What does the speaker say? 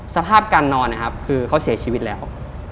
สภาพการนอนคือเขาเสียชีวิตแล้ว